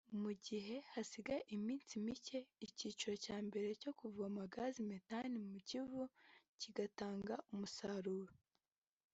Mu gihe hasigaye iminsi mike icyiciro cya mbere cyo kuvoma gaz methane mu Kivu kigatanga umusaruro